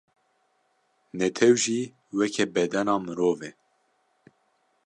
Netew jî weke bedena mirov e.